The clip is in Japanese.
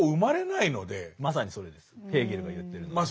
ヘーゲルが言ってるのはね。